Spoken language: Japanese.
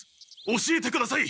教えてください！